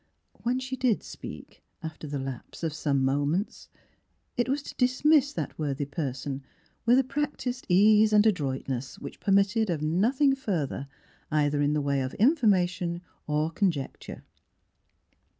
When she did speak, after the lapse of some moments, it was to dismiss that worthy person with a practiced ease and adroitness which permitted of nothing further, either in the way of information or conjec ture.